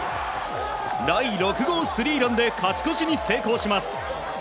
第６号スリーランで勝ち越しに成功します。